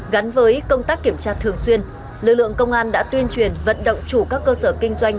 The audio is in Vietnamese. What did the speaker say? gắn với công tác kiểm tra thường xuyên lực lượng công an đã tuyên truyền vận động chủ các cơ sở kinh doanh